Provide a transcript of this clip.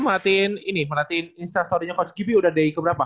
mereka nanti instastory coach gibi udah day ke berapa